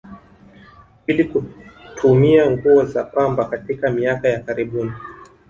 Ili kutumia nguo za pamba katika miaka ya karibuni